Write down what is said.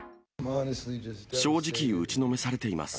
正直、打ちのめされています。